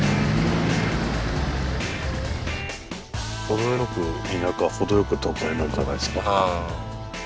程よく田舎程よく都会なんじゃないですか。